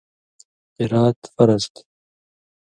قِرات فرض تھی۔